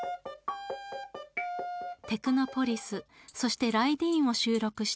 「テクノポリス」そして「ＲＹＤＥＥＮ」を収録した